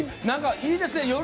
なんか、いいですね。